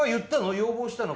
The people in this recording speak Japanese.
要望したの？